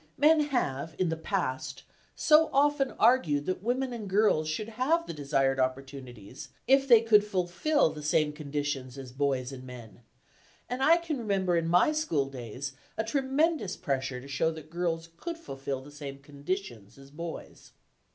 Men have in the past so often argued that women and girls should have the desired opportunities, if they could fulfil the same conditions as boys and men, and I can remember in my schooldays a tremendous pressure to show that girls could fulfil the same conditions as boys.